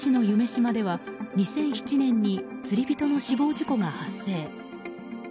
洲では２００７年に釣り人の死亡事故が発生。